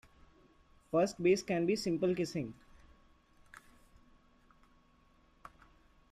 First base can be simple kissing.